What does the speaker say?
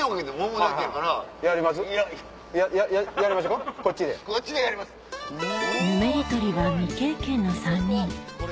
ぬめり取りは未経験の３人